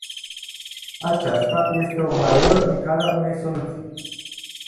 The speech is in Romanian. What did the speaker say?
Aceasta este o barieră în calea unei soluții.